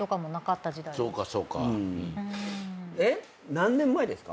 何年前ですか？